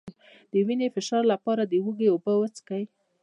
د وینې د فشار لپاره د هوږې اوبه وڅښئ